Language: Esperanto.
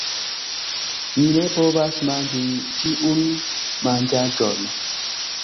Mi ne povas manĝi tiun manĝaĵon.